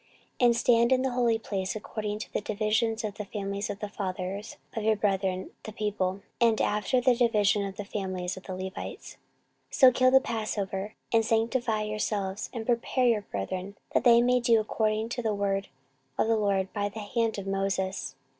14:035:005 And stand in the holy place according to the divisions of the families of the fathers of your brethren the people, and after the division of the families of the Levites. 14:035:006 So kill the passover, and sanctify yourselves, and prepare your brethren, that they may do according to the word of the LORD by the hand of Moses.